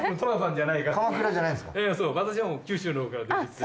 私は九州のほうから出てきて。